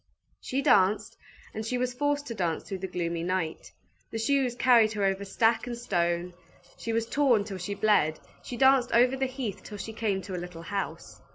She danced, and she was forced to dance through the gloomy night. The shoes carried her over stack and stone; she was torn till she bled; she danced over the heath till she came to a little house.